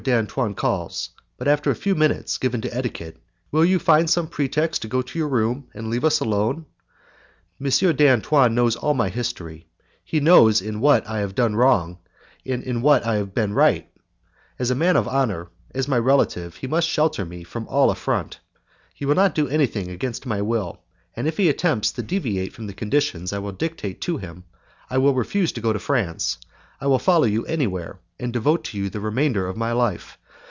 d'Antoine calls, but after a few minutes given to etiquette, will you find some pretext to go to your room, and leave us alone? M. d'Antoine knows all my history; he knows in what I have done wrong, in what I have been right; as a man of honour, as my relative, he must shelter me from all affront. He shall not do anything against my will, and if he attempts to deviate from the conditions I will dictate to him, I will refuse to go to France, I will follow you anywhere, and devote to you the remainder of my life.